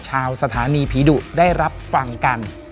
ชาวสถานีผีดุได้รับฟังกัน